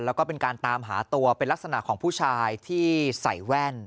แล้วก็เป็นการตามหาตัวเป็นลักษณะของผู้ชายที่ใส่แว่น